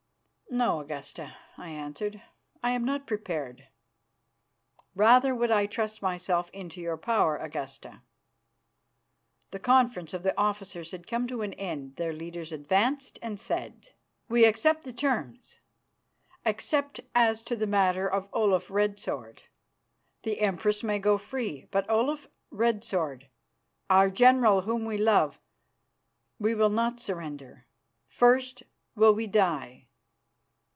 "No, Augusta," I answered, "I am not prepared. Rather would I trust myself into your power, Augusta." The conference of the officers had come to an end. Their leader advanced and said, "We accept the terms, except as to the matter of Olaf Red Sword. The Empress may go free, but Olaf Red Sword, our general whom we love, we will not surrender. First will we die."